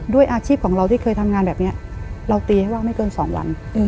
ด้วยอาชีพของเราที่เคยทำงานแบบนี้เราตีให้ว่าไม่เกิน๒วัน